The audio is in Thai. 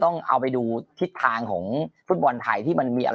ต้องเอาไปดูทิศทางของฟุตบอลไทยที่มันมีอะไร